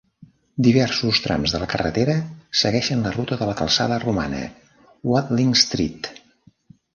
Diversos trams de la carretera segueixen la ruta de la calçada romana: Watling Street.